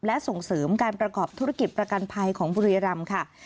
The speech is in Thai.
และส่งเสริมการประกอบธุรกิจประกันภัยของบุรีรำค่ะ